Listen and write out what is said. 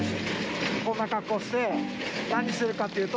こんな格好して何するかっていうと。